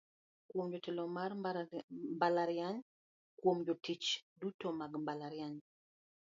"Kuom: Jatelono mar mbalariany Kuom: Jotich duto mag mbalariany".